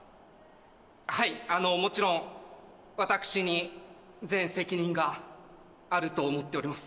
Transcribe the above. はいもちろん私に全責任があると思っております